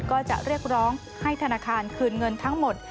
ก็จะเรียกร้องให้ธนาคารคืนเงินทั้งหมด